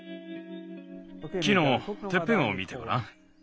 木のてっぺんを見てごらん。